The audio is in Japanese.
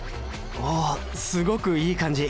あすごくいい感じ。